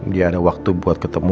dia ada waktu buat nemenin rena